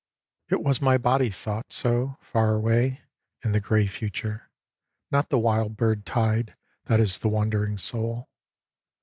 — It was my body thought so, far away In the grey future, not the wild bird tied That is the wandering soul.